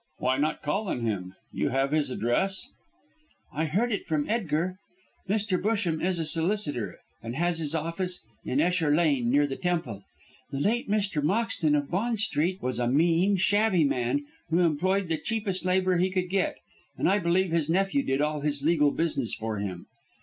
"Why not call on him? Have you his address?" "I heard it from Edgar. Mr. Busham is a solicitor, and has his office in Esher Lane, near the Temple. The late Mr. Moxton, of Bond Street, was a mean, shabby man who employed the cheapest labour he could get, and I believe his nephew did all his legal business for him.